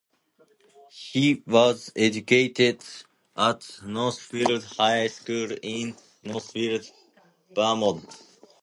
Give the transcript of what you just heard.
He was educated at Northfield High School in Northfield, Vermont.